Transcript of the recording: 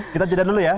kita jadikan dulu ya